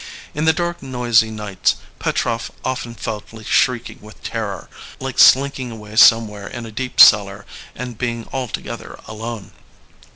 In the dark, noisy nights Petrov often felt like shrieking with terror, like slinking away somewhere in a deep cellar and being altogether alone.